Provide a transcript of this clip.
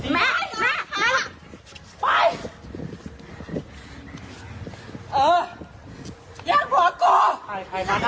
แม่แม่แม่แม่ไปไปค่ะไปค่ะมานี่เลยไปอุ๊ยแม่แม่แม่